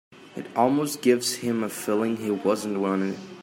It almost gives him a feeling he wasn't wanted.